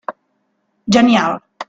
Genial.